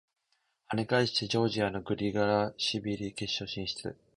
跳ね返してジョージアのグリガラシビリ決勝進出！